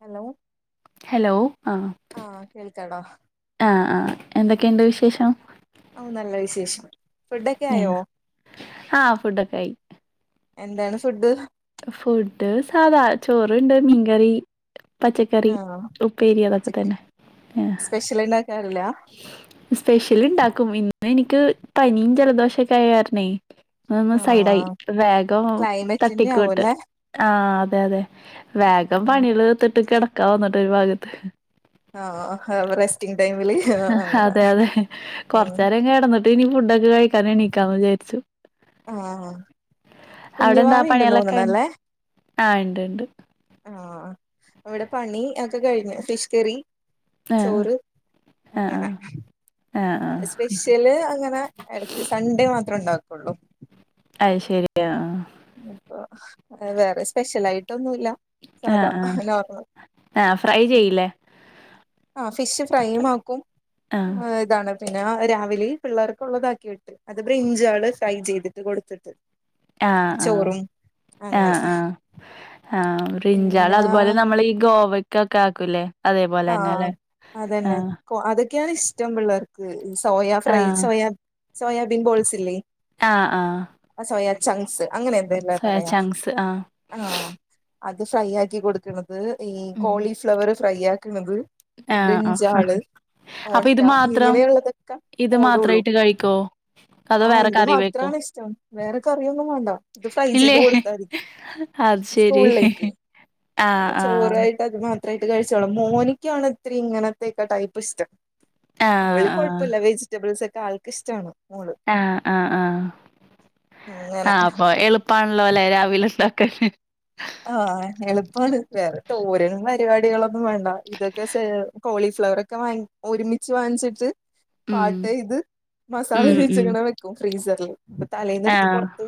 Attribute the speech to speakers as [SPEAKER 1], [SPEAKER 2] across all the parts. [SPEAKER 1] Hello
[SPEAKER 2] hello ആഹ
[SPEAKER 1] ആഹ് കേൾക്കാടാ
[SPEAKER 2] ആഹ ആഹ എന്തൊക്കെയുണ്ട് വിശേഷം.
[SPEAKER 1] ഓ നല്ല വിശേഷം ഫുഡൊക്കെ ആയോ
[SPEAKER 2] ആഹ് ഫുഡൊക്കെ ആയി
[SPEAKER 1] എന്താണ് ഫുഡ്.
[SPEAKER 2] ഫുഡ് സാധാ ചോറണ്ട് മീൻകറി പച്ചക്കറി
[SPEAKER 1] ആഹ്
[SPEAKER 2] 'ഉപ്പേരി അതൊക്കെ തന്നെ ആ
[SPEAKER 1] ഇതില്ണ്ടാക്കാറില്ലാ
[SPEAKER 2] സ്പെഷ്യൽണ്ടാക്കും. ഇന്ന് എനിക്ക് പനിയും ജലദോഷൊക്കെയ കരണേ. അന്ന് സൈഡായി
[SPEAKER 1] ആഹ്
[SPEAKER 2] വേഗം
[SPEAKER 1] ക്ലൈമറ്റിന്റെ
[SPEAKER 2] തട്ടിക്കുട്ട്.
[SPEAKER 1] ആവുംല്ലേ
[SPEAKER 2] ആഹ് അതെയതെ വേഗം പണികള്ർത്തിട്ട് കിടക്കാന്നിട്ട് ഒരു ഭാഗത്ത്.
[SPEAKER 1] ആഹ് ആഹ് എവറസ്
[SPEAKER 2] അതെയതെ
[SPEAKER 1] ഉം
[SPEAKER 2] കൊറചെരം കടന്നിട്ട് ഇനി ഫുഡൊക്കെ കഴിക്കാൻ എണീക്കാന്ന് വിചാരിച്ചു.
[SPEAKER 1] ആഹ
[SPEAKER 2] അവിടെ എന്താ
[SPEAKER 1] കുഞ്ഞുവാവിണ്ട്
[SPEAKER 2] പണികളൊക്കെ
[SPEAKER 1] തോന്നണ.
[SPEAKER 2] കഴിഞ്ഞോ
[SPEAKER 1] ല്ലേ
[SPEAKER 2] ആഹ് ഉണ്ട് ഉണ്ട്
[SPEAKER 1] ആഹ ഇവിടെ പണി ഒക്കെ കഴിഞ്ഞു ഫിഷ് കറി
[SPEAKER 2] ആഹ്
[SPEAKER 1] ചോറ്
[SPEAKER 2] ആഹ് ആഹ്
[SPEAKER 1] അങ്ങനെ
[SPEAKER 2] ആഹ് ആഹ്
[SPEAKER 1] സ്പെഷ്യല് അങ്ങന എടക്ക് സൺഡേ മാത്ര. ണ്ടാക്കുള്ളൂ
[SPEAKER 2] അത് ശരിയ
[SPEAKER 1] അപ്പൊ വേറെ സ്പെഷ്യൽ ആയിട്ടൊന്നുല്ല. സാധാ
[SPEAKER 2] ആഹ് ആഹ്
[SPEAKER 1] നോർമൽ
[SPEAKER 2] ആഹ് ഫ്രൈ ചെയ്യില്ലേ,?
[SPEAKER 1] ആഹ് ഫിഷ് ഫ്രൈ ആക്കും
[SPEAKER 2] ആഹ്
[SPEAKER 1] ഇതാണ് പിന്നെ രാവിലെ പിള്ളേർക്ക് ഉള്ളതാക്കിയിട്ട് അത് ബ്രിഞ്ജു ആള് ഫ്രൈ ചെയ്തിട്ട് കൊടുത്തിട്ട്
[SPEAKER 2] ആഹ് ആഹ്
[SPEAKER 1] ചോറും അങ്ങനെ
[SPEAKER 2] ആഹ് ആഹ് ആഹ് ബ്രിഞ്ചാൾ
[SPEAKER 1] പിന്നെ
[SPEAKER 2] അതുപോലെ നമ്മൾ ഈ ഗോവ ഇക്ക ഒക്ക ആക്കുലെ
[SPEAKER 1] ആഹ് അതന്നെ അതൊക്കെയാണ് ഇഷ്ടം പിള്ളേർക്ക് സോയാ ഫ്രൈ
[SPEAKER 2] ആഹ്
[SPEAKER 1] സോയാ സോയാബിൻ ബോൾസ് ഇല്ലേ
[SPEAKER 2] ആഹ് ആഹ്
[SPEAKER 1] അസോയ ചങ്സ് അങ്ങനെ എന്തല്ല
[SPEAKER 2] സോയ
[SPEAKER 1] പറയാ
[SPEAKER 2] ചങ്ക്സ് ആഹ്
[SPEAKER 1] ആഹ് അത് ഫ്രൈ ആക്കി കൊടുക്കണത് ഈ
[SPEAKER 2] ഉം
[SPEAKER 1] കോളിഫ്ലവർ ഫ്രൈ ആക്കണത് ഈ
[SPEAKER 2] ആഹ് ആഹ്
[SPEAKER 1] ബിഞ്ചാള്
[SPEAKER 2] അപ്പൊ
[SPEAKER 1] മുട്ട
[SPEAKER 2] ഇത് മാത്രം
[SPEAKER 1] ഇങ്ങനെയുള്ളതൊക്കെ ഓടുള്ളൂ
[SPEAKER 2] ഇത് മാത്രായിട്ട് കഴിക്കോ അതോ
[SPEAKER 1] ആഹ
[SPEAKER 2] വേറെ
[SPEAKER 1] ഇത്
[SPEAKER 2] കറി വെക്കോ
[SPEAKER 1] മാത്രമാണ് ഇഷ്ടം വേറെ കറിയൊന്നും വേണ്ട ഇത് ഫ്രൈ
[SPEAKER 2] ഇല്ലേ
[SPEAKER 1] ചെയ്ത് കൊടുത്താതി
[SPEAKER 2] അത് ശരി ആഹ്
[SPEAKER 1] അപ്പൊ
[SPEAKER 2] ആഹ്
[SPEAKER 1] ചോറായിട്ട് അത് മാത്രയിട്ട് കഴിച്ചോളൂ മോനിക്ക ആണ് ഇത്രരി ഇങ്ങനത്തെക്കെ ടൈപ്പ് ഇഷ്ടം
[SPEAKER 2] ആഹ്
[SPEAKER 1] അവള്
[SPEAKER 2] ആഹ്
[SPEAKER 1] കുഴപ്പല്ല വെജിറ്റബിൾസ് ഒക്കെ ആൾക്ക് ഇഷ്ടാണ് മോള്
[SPEAKER 2] ആഹ് ആഹ് ആഹ്
[SPEAKER 1] അങ്ങനെ
[SPEAKER 2] ആഹ് അപ്പൊ എളു [unintelligible] രാവിലെ [unintelligible]
[SPEAKER 1] ആഹ എളുപ്പമാണ് വേറേ തോരനും പരിപാടികളൊന്നും വേണ്ട ഇതൊക്കെ കോളിഫ്ലവർ ഒക്കെ വാങ്ങി ഒരുമിച്ച് വാങ്ങിച്ചിട്ട്
[SPEAKER 2] ഉം
[SPEAKER 1] പാട്ട് ഇത് മസാല
[SPEAKER 2] ഉം
[SPEAKER 1] തേച്
[SPEAKER 2] ഉം
[SPEAKER 1] വെക്കും ഫ്രീസറില് ഇപ്പ തലേൽന്ന എടുത്ത്
[SPEAKER 2] ആഹ്
[SPEAKER 1] പുറത്ത്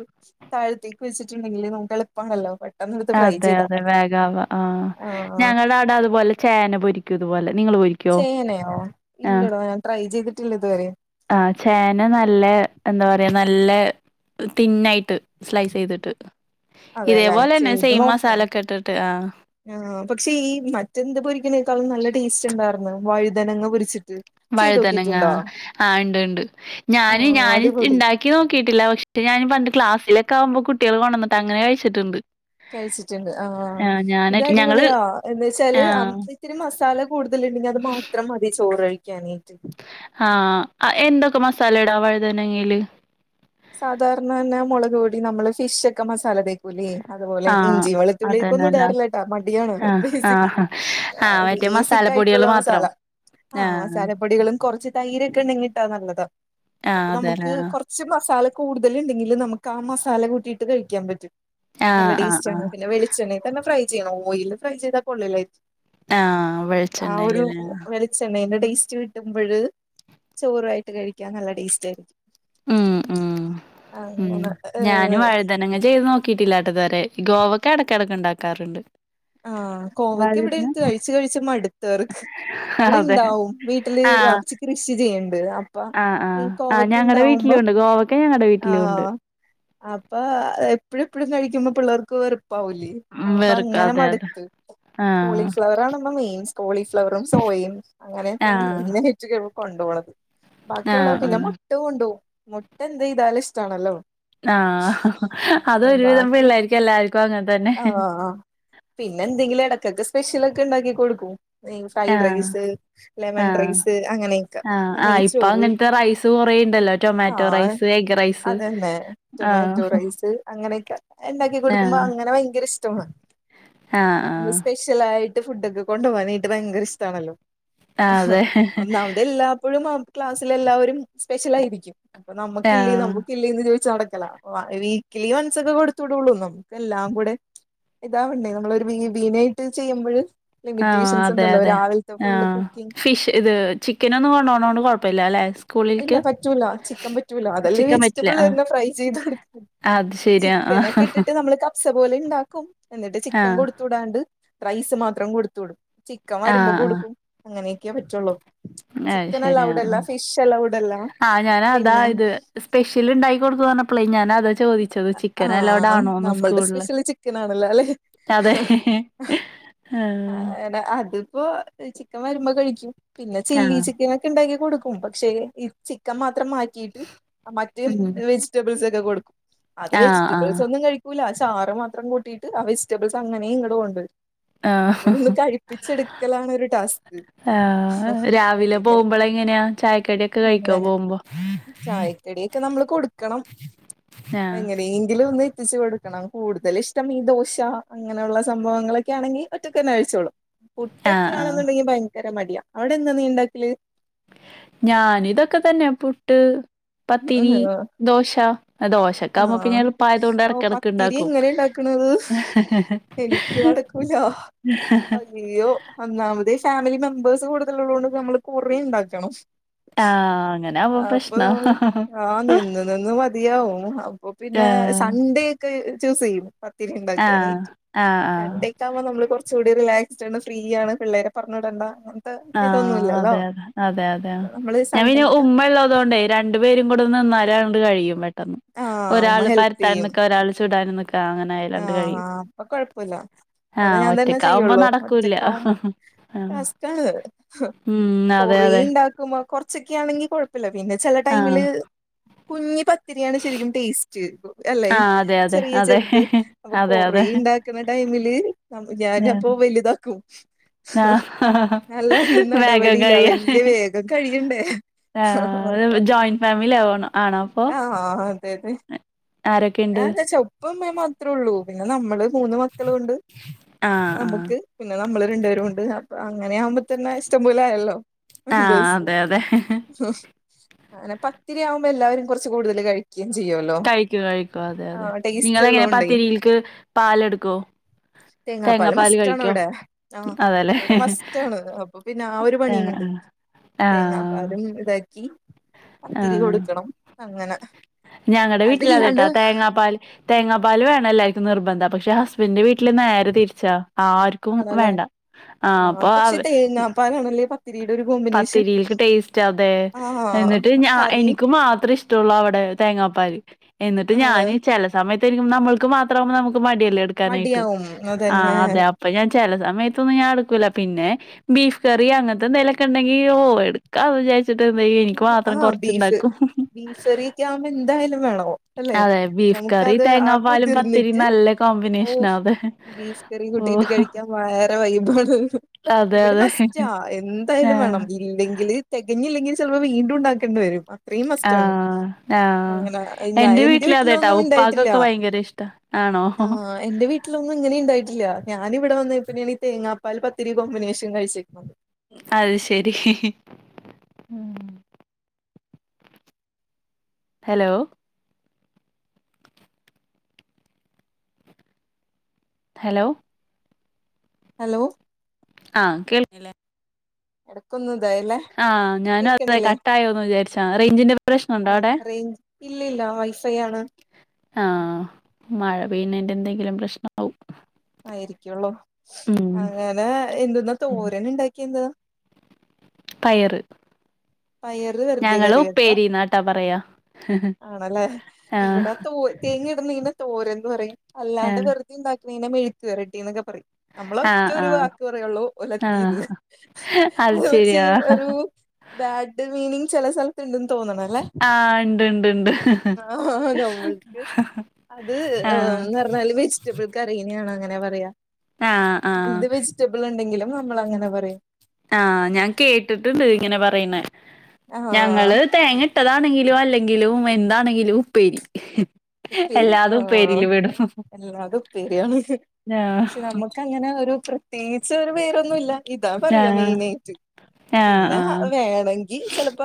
[SPEAKER 1] താഴത്തേക്ക് വെച്ചിട്ടുണ്ടങ്കിൽ നമുക്ക് എളുപ്പാണല്ലോ പെട്ടെന്ന് എടുത്ത് ഫ്രൈ
[SPEAKER 2] അതെ
[SPEAKER 1] ചെയ്താ
[SPEAKER 2] അതെ
[SPEAKER 1] മതി
[SPEAKER 2] വേഗാവ ആഹ്
[SPEAKER 1] ആഹ്
[SPEAKER 2] ഞങ്ങളടെ അവിടെ അതുപോലെ ചേന പൊരിക്കുന്നതുപോലെ നിങ്ങൾ പൊരി
[SPEAKER 1] ചേനയോ ഇല്ലടോ ഞാൻ ട്രൈ ചെയ്തിട്ടില്ല ഇതുവരെ
[SPEAKER 2] ആഹ് ചേന നല്ല എന്താ പറയാ നല്ല തിന്നായിട്ട് സ്ലൈസ് ചെയ്തിട്ട്
[SPEAKER 1] അതെല്ലേ ചെയ
[SPEAKER 2] [unintelligible] മസാല കെട്ടിട്ട് ആഹ്
[SPEAKER 1] ആ പക്ഷേ ഈ മറ്റെന്ത് പൊരിക്കുന്നേക്കാളും നല്ല ടേസ്റ്റ് ഉണ്ടായിരുന്നു വഴുതനങ്ങ പൊരിച്ചിട്ട് ചെയ്ത്
[SPEAKER 2] വഴുതനങ്ങാ
[SPEAKER 1] നോക്കിട്ടുണ്ടോ
[SPEAKER 2] ആഹ് ഇണ്ട് ഇണ്ട് ഞാന്
[SPEAKER 1] ആഹ്
[SPEAKER 2] ഞാന്
[SPEAKER 1] അടിപൊളി
[SPEAKER 2] ഇണ്ടാ പാക്കി നോക്കിട്ടില്ല പക്ഷെ ഞാൻ പണ്ട് ക്ലാസിലൊക്കെകുമ്പോൾ കുട്ടികൾ കൊണ്ടന്നിട്ട് അങ്ങനെ കഴിച്ചിട്ടുണ്ട്
[SPEAKER 1] കഴിച്ചിട്ടുണ്ട് ആഹ്
[SPEAKER 2] ഞാന്
[SPEAKER 1] ഇത്
[SPEAKER 2] ഞങ്ങള്
[SPEAKER 1] അടിപൊളിയാ എന്താച്ചാൽ
[SPEAKER 2] ആഹ്
[SPEAKER 1] ഇത്തിരി മസാല കൂടുതല് ഉണ്ടെങ്കിൽ അത് മാത്രം മതി ചോറ്കഴിക്കാനായിട്ട്
[SPEAKER 2] ആഹ് എന്തൊക്കെ മസാല ഇടാ വഴുതനങ്ങേൽ
[SPEAKER 1] സാധാരണ തന്നെ മുളക് കൂടി നമ്മള് ഫിഷ് ഒക്കെ മസാല തക്ക പുലി അതുപോലെ
[SPEAKER 2] ആഹ്
[SPEAKER 1] ഇഞ്ചി വെളുത്തുള്ളിക്കൊന്നും
[SPEAKER 2] അതന്നല്ല
[SPEAKER 1] ഇടാറില്ല കേട്ടാ മടിയാണ്
[SPEAKER 2] ആഹ് ആഹ്
[SPEAKER 1] ബേസിക്കലി
[SPEAKER 2] ആഹ് മറ്റേ
[SPEAKER 1] ബേസിക്
[SPEAKER 2] മസാലപ്പൊടികള്
[SPEAKER 1] ആയിട്ടുള്ള
[SPEAKER 2] മാത്രം
[SPEAKER 1] മസാല ആഹ് മസാലപ്പൊടികളും കുറച്ച് തൈരൊക്കെ ഉണ്ടങ്കിൽ നല്ലത അപ്പൊ
[SPEAKER 2] ആഹ് അതെല്ലേ
[SPEAKER 1] നമുക്ക് കുറച്ച് പക്ഷെ മസാല കൂടുതല ഉണ്ടെങ്കിൽ നമുക്ക് ആ മസാല കൂട്ടിയിട്ട് കഴിക്കാൻ പറ്റും നല്ല
[SPEAKER 2] ആഹ് ആഹ്
[SPEAKER 1] ടേസ്റ്റ് ആണ്
[SPEAKER 2] ആഹ്
[SPEAKER 1] പിന്നെ വെളിച്ചെണ്ണെ തന്നെ ഫ്രൈ ചെയ്യണം ഓയില് ഫ്രൈ ചെയ്താൽ കൊള്ള
[SPEAKER 2] ആഹ് വെളിച്ചെണ്ണേൽ ലെ
[SPEAKER 1] ചെണ്ണേന്റെ ടേസ്റ്റ് കിട്ടുമ്പോഴ ചോറുയിട്ട് കഴിക്കാൻ നല്ല ടേസ്റ്റ് ആയിരിക്കും
[SPEAKER 2] ഉമ് ഉമ് ഉമ്
[SPEAKER 1] അങ്ങനെ
[SPEAKER 2] ഞാനും
[SPEAKER 1] ഏഹ്
[SPEAKER 2] വഴ അതങ് ചെയ്ത് നോക്കിയിട്ടില്ലാട്ട ഇതുവരെ ഗോവക്കെ ഇടക്കിടക്ക ഉണ്ടാക്കാറുണ്ട്
[SPEAKER 1] ആഹ് കോവയ്ക്ക് എവിടെ ടുത്ത് കഴിച്ചു കഴിച്ച മടുത്തേർക്ക് ഇവിടെ
[SPEAKER 2] അതെ
[SPEAKER 1] ഇണ്ടാവും വീട്ടില്
[SPEAKER 2] ആഹ്
[SPEAKER 1] വാപ്പച്ചി കൃഷി ചെയ്യണ്ട് അപ്പ
[SPEAKER 2] ആഹ്
[SPEAKER 1] ഈ
[SPEAKER 2] ആഹ് ആഹ്
[SPEAKER 1] കോവക്ക
[SPEAKER 2] ഞങ്ങടെ
[SPEAKER 1] ഉണ്ടാവും
[SPEAKER 2] വീട്ടിലും
[SPEAKER 1] അപ്പൊ
[SPEAKER 2] ഉണ്ട് ഗോവക്ക ഞങ്ങടെ വീട്ടിലും ഉണ്ട്
[SPEAKER 1] ആഹ് അപ്പൊ എപ്പഴ എപ്പഴും കഴിക്കുമ്പോ പിള്ളേർക്ക് വെറുപ്പാവലേ
[SPEAKER 2] ഉം വെറുക്കാതെ
[SPEAKER 1] [unintelligible] കോളിഫ്ലവർ ആണിപ്പം മെയിൻ കോളിഫ്ലവറും സോയയും അങ്ങനെയൊക്കെയാണ്
[SPEAKER 2] ആഹ്
[SPEAKER 1] മെയിൻ ആ ചക്ക് വെരുമ്പോ കൊണ്ട്പോണത്
[SPEAKER 2] ആഹ്
[SPEAKER 1] ബാക്കിയുള്ളവർക്ക് പിന്നെ [unintelligible]
[SPEAKER 2] ആഹ്
[SPEAKER 1] മുട്ട കൊണ്ടോവും മുട്ട എന്ത്‌ ചെയ്താലും ഇഷ്ടാണല്ലോ
[SPEAKER 2] ആഹ് അത് ഒരു വിധം
[SPEAKER 1] ബാക്കി
[SPEAKER 2] പിള്ളാർക്ക് എല്ലാർക്കും അങ്ങനെ തന്നെ
[SPEAKER 1] പിന്നെന്തെങ്കിലും ഇടക്കൊക്കെ സ്പെഷ്യൽ ഒക്കെ ഇണ്ടാക്കി കൊടുക്കും ഫ്രൈഡ്
[SPEAKER 2] ആഹ്
[SPEAKER 1] റൈസ് ലെമൺ
[SPEAKER 2] ആഹ്
[SPEAKER 1] റൈസ് അങ്ങനെയൊക്കെ
[SPEAKER 2] ആഹ് ആഹ് ഇപ്പൊ
[SPEAKER 1] നെയ്ച്ചോറ്
[SPEAKER 2] അങ്ങനത്തെ റൈസ് കൊറേ ഇണ്ടല്ലോ ടൊമാറ്റോ
[SPEAKER 1] ആഹ്
[SPEAKER 2] റൈസ് എഗ് റൈസ്
[SPEAKER 1] അതന്നെ
[SPEAKER 2] ആഹ്
[SPEAKER 1] ടൊമാറ്റോ റൈസ് അങ്ങനെയൊക്കെ ഇണ്ടാക്കി കൊടുക്കുമ്പോ
[SPEAKER 2] ആഹ്
[SPEAKER 1] അങ്ങനെ ഭയങ്കര ഇഷ്ടാണ്
[SPEAKER 2] ആഹ് ആഹ്
[SPEAKER 1] സ്പെഷ്യലായിട്ട് ഫുഡ്ഡൊക്കെ കൊണ്ടു പോകാനായിട്ട് ഭയങ്കര ഇഷ്ടാണല്ലോ
[SPEAKER 2] ആഹ് അതെ
[SPEAKER 1] ഒന്നാമത് എല്ലാപ്പോഴും ക്ലാസ്സിലെ എല്ലാവരും സ്പെഷ്യൽ ആയിരിക്കും അപ്പം നമ്മുക്ക് ഇല്ലേത്
[SPEAKER 2] ആഹ്
[SPEAKER 1] നമ്മുക്ക് ല്ലേന്ന് ചോദിച്ച് നടക്കലാ വീക്കലി വൺസ് ഒക്കെ കൊടുത്ത് വിടുള്ളൂ നമുക്ക് എല്ലാം കൂടെ ഇതാവണ്ടേ നമ്മൾ ഒരു മീഡിയനായിട്ട് ചെയ്യുമ്പഴ്
[SPEAKER 2] ആഹ് അതെ അതെ ആഹ്
[SPEAKER 1] കുക്കിംഗ്
[SPEAKER 2] ഫിഷ് ഇത് ചിക്കൻ ഒന്നും കൊണ്ടോണോണ്ട് കുഴപ്പില്ല അല്ലേ
[SPEAKER 1] ഇല്ല പറ്റൂല്ല ചിക്കൻ പറ്റൂല്ല അതല്ലേ
[SPEAKER 2] ചിക്കൻ പറ്റില്ല
[SPEAKER 1] വെജിറ്റബിൾ
[SPEAKER 2] ആഹ്
[SPEAKER 1] തന്നെ ഫ്രൈ ചെയ്ത് കൊടുക്ക
[SPEAKER 2] അത് ശ
[SPEAKER 1] ചിക്കൻ ഒക്കെ ഇട്ടിട്ട് നമ്മള് കപ്സ പോലെ ഇണ്ടാക്കും എന്നിട്ട് ചിക്കൻ
[SPEAKER 2] ആഹ്
[SPEAKER 1] കൊടു തുടാണ്ട് റൈസ് മാത്രം കൊടുത്ത് വിടും ചിക്കൻ
[SPEAKER 2] ആഹ്
[SPEAKER 1] വരുമ്പോ
[SPEAKER 2] ആഹ്
[SPEAKER 1] കൊടുക്കും അങ്ങനെയൊക്കെയേ പറ്റുള്ളൂ
[SPEAKER 2] അത്
[SPEAKER 1] ചിക്കൻ
[SPEAKER 2] ശരി
[SPEAKER 1] അലൗഡ് അല്ല
[SPEAKER 2] ആഹ്
[SPEAKER 1] ഫിഷ് പ്പ അലൗഡല്ല
[SPEAKER 2] ആഹ് ഞാനതാ
[SPEAKER 1] പിന്നെ
[SPEAKER 2] ഇത് സ്പെഷ്യൽ ഇണ്ടായി കൊടുത്തുന്ന് പറഞ്ഞപ്പോളേ ഞാൻ അത ചോദിച്ചത് ചിക്കൻ അലൗഡ്
[SPEAKER 1] ആഹ്
[SPEAKER 2] ആണോന്ന്
[SPEAKER 1] നമ്മൾടെ
[SPEAKER 2] സ്കൂളില്
[SPEAKER 1] സ്പെഷ്യല് ചിക്കനാണല്ലോ അല്ലെ
[SPEAKER 2] അതെ
[SPEAKER 1] ആഹ് അതിപ്പോ ചിക്കൻ വരുമ്പോ കഴിക്കും പിന്നെ ചില്ലി
[SPEAKER 2] ആഹ്
[SPEAKER 1] ചിക്കൻ ഒക്കെ ഇണ്ടാക്കി കൊടുക്കും ഉം പക്ഷേ ഈ ചിക്കൻ മാത്രം മാറ്റിട്ട് മറ്റേ
[SPEAKER 2] ഉം
[SPEAKER 1] വെജിറ്റബിൾസ് ഒക്കെ കൊടുക്കും അത്
[SPEAKER 2] ആഹ്
[SPEAKER 1] വെജിറ്റബിൾസ്
[SPEAKER 2] ആഹ്
[SPEAKER 1] ഒന്നും കഴിക്കൂല്ല ആ ചാറ് മാത്രം കൂട്ടിട്ട് ആ വെജിറ്റബിൾസ് അങ്ങനെ ഇങ്ങട് കൊണ്ടുവരും അവനെ ഒന്ന്
[SPEAKER 2] ആഹ്
[SPEAKER 1] കഴിപ്പിച്ചെടുക്കലാണ് ഒരു ടാസ്ക് ഹാ
[SPEAKER 2] ആഹ് രാവിലെ പോകുമ്പള് എങ്ങനെയാ ചായക്കടിയൊക്കെ കഴിക്കോ
[SPEAKER 1] അങ്ങനെ
[SPEAKER 2] പോകുമ്പോ
[SPEAKER 1] ചായക്കടിയൊക്കെ നമ്മള് കൊടുക്കണം
[SPEAKER 2] ആഹ്
[SPEAKER 1] എങ്ങനെയെങ്കിലും ഒന്ന് എത്തിച്ച് കൊട് ക്കണം കൂടുതൽ ഇഷ്ടം ഈ ദോശ അങ്ങനെയുള്ള സംഭവങ്ങളൊക്കെ ആണെങ്കിൽ ഒറ്റക്ക് തന്നെ കഴിച്ചോളും
[SPEAKER 2] ആഹ്
[SPEAKER 1] പുട്ടൊക്കെ
[SPEAKER 2] ആഹ്
[SPEAKER 1] ആണെന്നുണ്ടെങ്കിൽ ഭയങ്കര മടിയാ അവിടെ എന്താ നീ ഉണ്ടാക്കല്
[SPEAKER 2] ഞാൻ ഇതൊക്കെ തന്നെ പുട്ട് പത്തിരി ദോശ. ദോശ ഒക്കെ ആകുമ്പോ പിന്നെ
[SPEAKER 1] ആഹ്
[SPEAKER 2] എളുപ്പായത് കൊണ്ട്
[SPEAKER 1] ഓ
[SPEAKER 2] ഇടക്കിടക്ക്
[SPEAKER 1] പത്തിരി
[SPEAKER 2] ഇണ്ടാക്കും
[SPEAKER 1] എങ്ങനെ ഇണ്ടാക്കണത് എനിക്ക് നടക്കൂല്ല
[SPEAKER 2] [unintelligible]
[SPEAKER 1] ഇയ്യോ ഒന്നാമതേ ഫാമിലി മെമ്പേഴ്സ് കൂടുതലുള്ളോണ്ട് നമ്മള് കൊറേ ഉണ്ടാക്കണം
[SPEAKER 2] ആഹ് അങ്ങനാവുമ്പോ
[SPEAKER 1] അപ്പൊ
[SPEAKER 2] പ്രശ്നാ
[SPEAKER 1] നമ്മ ആഹ് നിന്ന് നിന്ന് മതിയാവും അപ്പൊ പിന്നെ
[SPEAKER 2] ആഹ്
[SPEAKER 1] സൺഡേ ഒക്കെ ച്ചാ സെയിം ത്തിരി
[SPEAKER 2] ആഹ്
[SPEAKER 1] ഉണ്ടാക്കാനായിട്ട്
[SPEAKER 2] ആഹ് ആഹ്
[SPEAKER 1] സൺ‌ഡേ റ്റാവുമ്പോ നമ്മള് കുറച്ചൂടി റീലാക്സിഡ് ആണ് ഫ്രീ ആണ് പിള്ളേരേ പറഞ്ഞു വിടണ്ട ഇതൊന്നും
[SPEAKER 2] ആഹ്
[SPEAKER 1] ഇല്ലല്ലോ
[SPEAKER 2] അതെ അതെ അതെ അതെ
[SPEAKER 1] അപ്പൊ നമ്മള്
[SPEAKER 2] ഞാൻ പിന്നെ
[SPEAKER 1] സൺഡേക്ക്
[SPEAKER 2] ഉമ്മ ഉള്ളതുകൊണ്ടേ രണ്ടു പേരും കൂടെ നിന്നാലണ്ട് കഴിയും പെട്ടെന്ന്
[SPEAKER 1] ആഹ്
[SPEAKER 2] ഒരാൾ
[SPEAKER 1] ഉമ്മ ഹെൽപ്
[SPEAKER 2] പരത്താൻ
[SPEAKER 1] ചെയ്യും
[SPEAKER 2] നിക്കാ ഒരാള് ചുടാനും നി [unintelligible] ന് രണ്ട് കയ്യും
[SPEAKER 1] ആഹ്
[SPEAKER 2] കഴിയും
[SPEAKER 1] അപ്പൊ കൊഴപ്പല്ല ഇവിടെ
[SPEAKER 2] ആഹ്
[SPEAKER 1] ഞാൻ തന്നെ
[SPEAKER 2] ഒറ്റക്കാവുമ്പോ നടക്കൂല്ല ആഹ്
[SPEAKER 1] സ്റ്റാണ് [unintelligible]
[SPEAKER 2] ഉം അതെ
[SPEAKER 1] കൊറേ
[SPEAKER 2] അതെ
[SPEAKER 1] ഉണ്ടാക്കുമ്പ കൊറച്ചൊക്കെയാണെങ്കി കൊഴപ്പില്ല പിന്നെ ചെല
[SPEAKER 2] ആഹ്
[SPEAKER 1] ടൈമില് കുഞ്ഞി പത്തിരിയാണ് ശരിക്കും ടേസ്റ്റ് അല്ലെ
[SPEAKER 2] ആഹ് അതെ അതെ
[SPEAKER 1] ചെറിയ
[SPEAKER 2] അതെ
[SPEAKER 1] ചെറുത് അപ്പൊ
[SPEAKER 2] അതെ
[SPEAKER 1] കൊറേ
[SPEAKER 2] അതെ
[SPEAKER 1] ഇണ്ടാക്കുന്ന ടൈമില് ഞാൻ അപ്പൊ വലുതാക്കും
[SPEAKER 2] ആഹ്
[SPEAKER 1] നല്ലാണ്ട്
[SPEAKER 2] വേഗം
[SPEAKER 1] നടപടില്ല
[SPEAKER 2] കഴിയാന്
[SPEAKER 1] വല്യ വേഗം കഴിയണ്ടേ?
[SPEAKER 2] ആഹ്
[SPEAKER 1] ആഹ
[SPEAKER 2] ജോയിന്റ് ഫാമിലി ആവണം ആണോ അപ്പൊ
[SPEAKER 1] ആ അതന്നെ
[SPEAKER 2] ആരൊക്കെയുണ്ട്?
[SPEAKER 1] ഇപ്പ അമ്മേ മാത്രേ ഉള്ളൂ പിന്നെ നമ്മള് മൂന്ന് മക്കൾ കൊണ്ട്
[SPEAKER 2] ആഹ് ആഹ്
[SPEAKER 1] നമുക്ക് പിന്നെ നമ്മള് രണ്ടുപേരു ഉണ്ട് അപ്പൊ അങ്ങനെ ആകുമ്പോ തന്നെ ഇഷ്ടംപോലെ ആയല്ലോ
[SPEAKER 2] ആഹ്
[SPEAKER 1] ബെസ്റ്റ്
[SPEAKER 2] അതെ അതെ
[SPEAKER 1] അങ്ങനെ പത്തിരി ആവുമ്പോ എല്ലവരും കുറച്ച് കൂടുതൽ കഴിക്കും. ചെയ്യുല്ലോ
[SPEAKER 2] കഴിക്കു കഴിക്കു അതെ അതെ നിങ്ങള് എങ്ങനെ
[SPEAKER 1] ഉള്ളോണ്ടേ
[SPEAKER 2] പത്തിരിൽക്ക് പാലെടുക്കോ?
[SPEAKER 1] തേങ്ങാപ്പാല്
[SPEAKER 2] തേങ്ങാപ്പാൽ
[SPEAKER 1] മസ്റ്റാണ്
[SPEAKER 2] കഴിക്കോ
[SPEAKER 1] ഇവിടെ ആഹ്
[SPEAKER 2] അതല്ലേ
[SPEAKER 1] ഇവിടെ മസ്റ്റാണ് അപ്പൊ പിന്നെ ആ ഒരു
[SPEAKER 2] ആഹ് ആ ആഹ്
[SPEAKER 1] ഇതാക്കിത്തിരി കൊടുക്കണം അങ്ങനെ
[SPEAKER 2] ഞങ്ങളടെ
[SPEAKER 1] അതില്ലാണ്ട്
[SPEAKER 2] വീട്ടിലാത്ട്ടാ തേങ്ങാപ്പാൽ തേങ്ങാപ്പാല് വേണം എല്ലാക്കും നിർബന്ധം പക്ഷെ ഹസ്ബൻഡന്റെ വീട്ടില് നോര് തിരിച്ചാ ആര് ക്കും
[SPEAKER 1] ആണല്ലേ
[SPEAKER 2] വേണ്ട ആ അപ്പൊ അവ
[SPEAKER 1] പരാനാല്ലേ പാ തീരെ ഒരു ബഹു
[SPEAKER 2] പത്തിരിൽക്ക് ടേസ്റ്റ് അതെ
[SPEAKER 1] ആഹ്
[SPEAKER 2] എന്നിട്ട് ഞ
[SPEAKER 1] കറി
[SPEAKER 2] എനിക്ക് മാത്രം ഇഷ് തുള്ളു അവിടെ തേങ്ങാപ്പാല് എന്നിട്ട്
[SPEAKER 1] ആഹ്
[SPEAKER 2] ഞാന് ചെല [unintelligible] നമ്മക്ക് മാത്രകുമ്പോ നമുക്ക് മടിയല്ലേ എടുക്കാനായിട്ട്
[SPEAKER 1] മടിയാവും അതന്നെ
[SPEAKER 2] ആഅതെ അപ്പൊ ഇപ്പൊ ഞാൻ ചില സമയത്തൊന്നും ഞാൻ അടുക്കൂല്ല പിന്നെ ബീഫ് കറി അങ്ങനത്തെ അങ്ങനത്തെ എന്തൊലൊക്കെ ഉണ്ടെങ്കി ഓ എടുക്കാന്ന് വിചാരിച്ചിട്ട് എന്തേയ്യും എനിക്ക് മാത്രം കൊറച്ചുണ്ടാക്കും.
[SPEAKER 1] മീൻസെ യക്കെ ആവുമ്പോ എന്തായാലും വേണോ? അല്ലെ
[SPEAKER 2] അതെ ബീഫ് കറി
[SPEAKER 1] നമുക്കത്
[SPEAKER 2] തേങ്ങാപ്പാലും പത്തിരിം
[SPEAKER 1] ആക്കൂതിർന്നിട്ട്
[SPEAKER 2] നല്ല
[SPEAKER 1] ഓ
[SPEAKER 2] കോമ്പിനേഷനാ അത്
[SPEAKER 1] ബീഫ് കറി കൂട്ടിട്ട്
[SPEAKER 2] ഓഹ്
[SPEAKER 1] കഴിക്കാം വേറെ വൈബാണ്.
[SPEAKER 2] അതെ
[SPEAKER 1] ഇവിടെ
[SPEAKER 2] അതെ
[SPEAKER 1] മസ്റ്റാ എന്തായാലും
[SPEAKER 2] ആഹ്
[SPEAKER 1] വേണം ഇല്ലെങ്കില്. തെകഞ്ഞില്ലെങ്കും ചിലപ്പോ വീണ്ടും ഉണ്ടാക്കേണ്ടി വരും. അത്രയും മസ്റ്റാണ്
[SPEAKER 2] ആഹ് ആഹ്
[SPEAKER 1] അങ്ങനെ ഞാൻ
[SPEAKER 2] എന്റെ വീട്ടിലാതേട്ടാ
[SPEAKER 1] വീട്ടിലൊന്നും ഉണ്ടായിട്ടില്ല
[SPEAKER 2] ഉപ്പക്ക്ഒക്കെ ഭയങ്കര ഇഷ്ടാ ആണോ?
[SPEAKER 1] ആഹ്
[SPEAKER 2] [unintelligible]
[SPEAKER 1] എന്റെ വീട്ടിലൊന്നും ഇങ്ങനെ ഇണ്ടായിട്ടില്ല ഞാനിവിടെ വന്നപ്പന്നെയാണ് ഈ തേങ്ങാപ്പാൽ പത്തിരി കോമ്പിനേഷൻ കഴിച്ചിരിക്കുന്നത്.
[SPEAKER 2] അത് ശരി. ഹലോ ഹലോ
[SPEAKER 1] ഹലോ
[SPEAKER 2] ആഹ് കേൾക്കല്ലേ?
[SPEAKER 1] എടു [unintelligible] ക്കൊന്ന്ദായല്ലേ
[SPEAKER 2] ആഹ് ഞാനും അതെ
[SPEAKER 1] കേക്കണല്ലേ
[SPEAKER 2] കട്ടായോന്ന് വിചാരിച്ചാ റേഞ്ചിന്റെ പ്രശ്നണ്ടോ
[SPEAKER 1] ആ
[SPEAKER 2] അവിടെ
[SPEAKER 1] റേൻജ് ഇല്ല ഇല്ല വൈഫൈ ആണ്.
[SPEAKER 2] ആഹ് മഴപെയ്യേണന്റെ എന്തെങ്കിലും പ്രശ്നണ്ടാവും.
[SPEAKER 1] ആയിരിക്കുള്ളൂ അങ്ങനെ എന്തെന്നാ തോരന ഉണ്ടാക്കിയ എന്ത?
[SPEAKER 2] പയറ്
[SPEAKER 1] പയറ് വെറുതെ
[SPEAKER 2] ഞങ്ങള്
[SPEAKER 1] കറി വെക്ക
[SPEAKER 2] ഉപ്പേരി നാട്ടാ പറയാ.
[SPEAKER 1] ആണല്ലേ
[SPEAKER 2] ആഹ്
[SPEAKER 1] ഇവിടെ തോ തേങ്ങ ഇടുന്നിങ്ങനെ തോരന്ന് പറയും അല്ലാണ്ട്
[SPEAKER 2] ആഹ്
[SPEAKER 1] വെറുത ഉണ്ടാക്കണെന് മെുയ്ക്ക് വരട്ടി എന്നൊക്കെ പറയും. നമ്മള ഒറ്റ
[SPEAKER 2] ആഹ്
[SPEAKER 1] ഒരു
[SPEAKER 2] ആഹ്
[SPEAKER 1] വാക്ക് പറയുള്ളൂ
[SPEAKER 2] ആഹ്
[SPEAKER 1] ഒലത്തിയത് അത് വെച്ച് ഒരു ബാഡ് മീനിങ്സ് ചില സ്ഥലത്ത്ണ്ട്ന്ന് തോന്നണ അല്ലേ?
[SPEAKER 2] ആഹ് ഇണ്ട് ഇണ്ട് ഇണ്ട്
[SPEAKER 1] ആഹ് നമ്മൾക്ക് അത് ആ
[SPEAKER 2] ആഹ്
[SPEAKER 1] നിഞ്ഞാല് വെ വെജിറ്റബിൾ കറീന ആണ് അങ്ങനെ പറയാ.
[SPEAKER 2] ആഹ് ആഹ്
[SPEAKER 1] എന്ത് വെജിറ്റബിൾ ഉണ്ടെങ്കിലും നമ്മൾ അങ്ങനെ പറയും.
[SPEAKER 2] ആഹ് ഞാൻ കേട്ടിട്ടുണ്ട് ഇങ്ങനെ പറയുന്ന
[SPEAKER 1] ആഹ്
[SPEAKER 2] ഞങ്ങള് തേങ്ങ ഇട്ടതാണെങ്കിലും അല്ലെങ്കിലും എന്താണെങ്കിലും ഉപ്പേരി
[SPEAKER 1] ഉപ്പേരി ആ
[SPEAKER 2] എല്ലാതും ഉപ്പേരില് പെടും
[SPEAKER 1] എല്ലാത് ഉപ്പേരി ആണ്
[SPEAKER 2] ആഹ്
[SPEAKER 1] പക്ഷെ നമ്മുക്ക് അങ്ങനെ ഒരു പ്രത്യേകിച്ച് ഒരു പേരൊന്നുല്ല ഇതാ പറയ
[SPEAKER 2] ആഹ്
[SPEAKER 1] മെയിനായിട്ട്
[SPEAKER 2] ആഹ്
[SPEAKER 1] പിന്നെ
[SPEAKER 2] ആഹ്
[SPEAKER 1] വേണെങ്കിൽ ചെൽപ്പ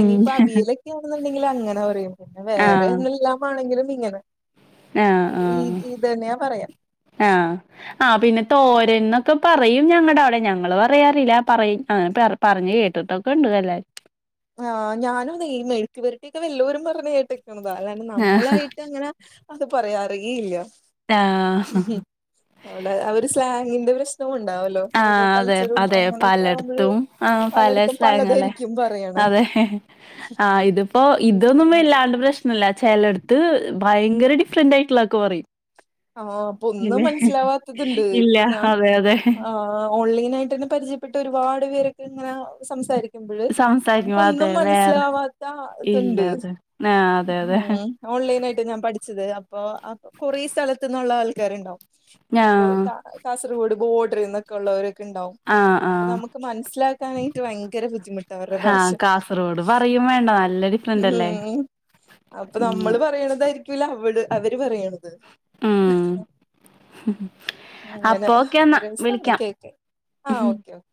[SPEAKER 2] ഉം
[SPEAKER 1] അവിയലൊക്കെ യാണെന്നുണ്ടെങ്കില് അങ്ങനെ പറയും പിന്നെ വേറെ
[SPEAKER 2] ആഹ്
[SPEAKER 1] എല്ലാമാണെങ്കിലും ഇങ്ങനെ
[SPEAKER 2] ആഹ് ആഹ്
[SPEAKER 1] ഇത ഇതന്നെ പറയ
[SPEAKER 2] ആഹ് ആ പിന്നെ തോരൻ ന്നൊക്കെ പറയും ഞങ്ങടെവിടെ ഞങ്ങള് പറയാറില്ല പറയും അ പറ പറഞ്ഞ് കേട്ടിട്ടൊക്കെണ്ട് കല്ലായി
[SPEAKER 1] ആഹ് ഞാനും അതെ ഈ മെഴുക്കുപരട്ടിയൊക്കെ വെല്ലോരും പറഞ്ഞ് കേട്ടക്കണതാ അലാണ്ട്
[SPEAKER 2] ആഹ്
[SPEAKER 1] നമ്മളായിട്ട് അങ്ങനെ അത് പറയാറേ ഇല്ല.
[SPEAKER 2] ആഹ്
[SPEAKER 1] ഉം അവടെ അവര് സ്ലാങ്ങിന്റെ പ്രശ്ന ഇതും ഉണ്ടാവല്ലോ ഓരോ
[SPEAKER 2] ആഹ് അതെ
[SPEAKER 1] കൾച്ചറും
[SPEAKER 2] അതെ
[SPEAKER 1] അങ്ങനെയൊക്കെ ആക്കുമ്പഴ്
[SPEAKER 2] പലയിടത്തും ആഹ് പല
[SPEAKER 1] പലയിട്ത്തും
[SPEAKER 2] സ്ലാങ്ങല്ലേ
[SPEAKER 1] പലദായിരിക്കും പറയ
[SPEAKER 2] അതെ, ആഹ് ഇതിപ്പോ
[SPEAKER 1] യൂസ്
[SPEAKER 2] ഇതൊന്നും
[SPEAKER 1] ചെയ്യുന്നത്
[SPEAKER 2] വല്ലാണ്ട് [unintelligible] പ്രശ്നല്ല ചെലേട്ത്ത് ഭയ്ങ്കര ഡിഫറന്റ് ആയിട്ടുള്ളതൊക്കെ പറയും
[SPEAKER 1] ആഹ് അപ്പൊ ഒന്നും
[SPEAKER 2] ഇല്ലെ
[SPEAKER 1] മനസ്സിലാവാത്തത്ണ്ട്
[SPEAKER 2] ഇല്ല
[SPEAKER 1] ഇപ്പൊ ഞാ
[SPEAKER 2] അതെ അതെ
[SPEAKER 1] ആഹ് ആഹ് ഓൺലൈന് ആയിട്ട് തന്നെ പരിചയപ്പെട്ട ഒരുപാട് പേരൊക്കെ ഇങ്ങനെ സംസാരി [unintelligible]
[SPEAKER 2] സംസാരിക്കുമ്പോ അതെ
[SPEAKER 1] നമുക്കൊന്നും
[SPEAKER 2] വേറെ
[SPEAKER 1] മനസ്സിലാവാത്ത
[SPEAKER 2] ഇല്ല
[SPEAKER 1] ഇത്ണ്ട്
[SPEAKER 2] അതെ ആഹ് അതെ അതെ
[SPEAKER 1] ഉം ഓൺലൈൻ ആയിട്ട് ഞാൻ പഠിച്ചത് അപ്പോ അ കൊറേ സ്ഥലത്തനൊള്ള ആൾക്കാര് ഇണ്ടാവും.
[SPEAKER 2] ഞാ
[SPEAKER 1] ഇപ്പൊ കാ കാസർഗോഡ് ബോർഡർന്നൊക്കെ ഉള്ളവരൊക്കെ ഇണ്ടാവും.
[SPEAKER 2] ആഹ് ആഹ്
[SPEAKER 1] അപ്പ നമ്മക്ക് മനസിലാക്കാനായിട്ട് ഭയങ്കര ബുദ്ധിമു
[SPEAKER 2] ആഹ് കാസർഗോഡ് പറയും വേണ്ട നല്ലൊരു ഫ്രണ്ട് അല്ലേ.
[SPEAKER 1] അപ്പ
[SPEAKER 2] ഉം
[SPEAKER 1] നമ്മള് പറയണതായിരിക്കുല്ല അവള് അവര് പറയണത്
[SPEAKER 2] ഉം
[SPEAKER 1] അങ്ങനെ
[SPEAKER 2] അപ്പൊ ഓക്കെ എന്നാ
[SPEAKER 1] രെസാണ്
[SPEAKER 2] വിളിക്കാം
[SPEAKER 1] കേക്കാൻ ആഹ് ഓക്കെ ഒ